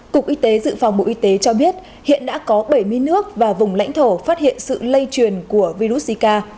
cục y tế dự phòng bộ y tế cho biết hiện đã có bảy mươi nước và vùng lãnh thổ phát hiện sự lây truyền của virus zika